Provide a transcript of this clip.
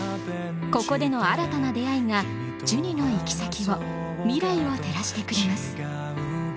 ここでの新たな出会いがジュニの行き先を未来を照らしてくれます。